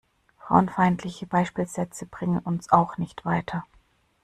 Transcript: Frauenfeindliche Beispielsätze bringen uns auch nicht weiter.